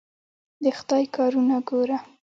د خدای کارونه ګوره!